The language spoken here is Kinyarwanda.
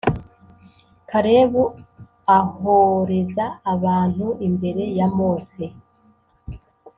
Kalebu ahoreza abantu imbere ya Mose